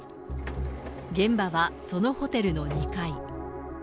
現場はそのホテルの２階。